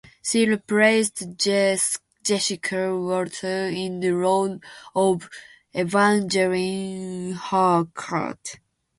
She replaced Jessica Walter in the role of Evangeline Harcourt.